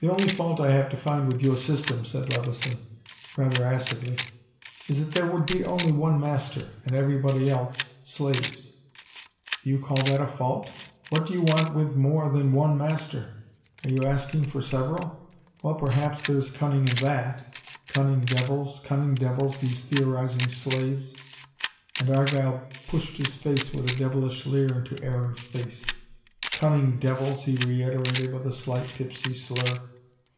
"The only fault I have to find with your system," said Levison, rather acidly, "is that there would be only one master, and everybody else slaves." "Do you call that a fault? What do you want with more than one master? Are you asking for several? Well, perhaps there's cunning in THAT. Cunning devils, cunning devils, these theorising slaves " And Argyle pushed his face with a devilish leer into Aaron's face. "Cunning devils!" he reiterated, with a slight tipsy slur.